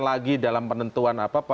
lagi dalam penentuan apa